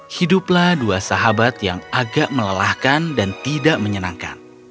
hiduplah dua sahabat yang agak melelahkan dan tidak menyenangkan